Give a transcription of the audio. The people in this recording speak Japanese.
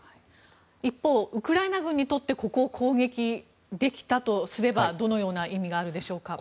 一方ウクライナ軍にとってここを攻撃できたとすればどのような意味があるでしょうか。